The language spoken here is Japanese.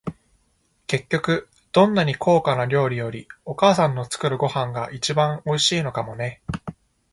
結局、どんなに高価な料理より、お母さんの作るご飯が一番おいしいのかもね。